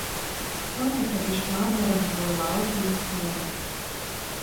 Соня падышла да рагавой лаўкі на скверы.